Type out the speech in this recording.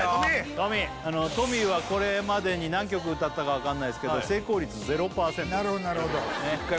トミートミーはこれまでに何曲歌ったかわかんないすけど成功率０％頑張ります